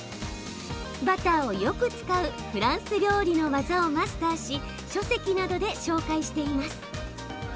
バターをよく使うフランス料理の技をマスターし書籍などで紹介しています。